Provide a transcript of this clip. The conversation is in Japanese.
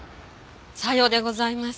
さようでございます。